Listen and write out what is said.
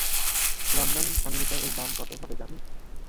London, আমেরিকায় এর দাম কত, হবে জানো?